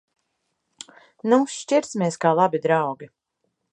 Nu! Šķirsimies kā labi draugi.